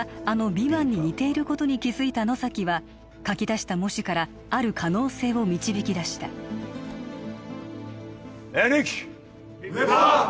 ヴィヴァンに似ていることに気づいた野崎は書き出した文字からある可能性を導き出したヴィパァン